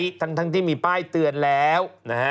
กำนันทั้งที่มีป้ายเตือนแล้ว